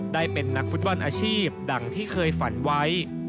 ได้เป็นนักฟุตบอลอาชีพดังที่เคยฝันไว้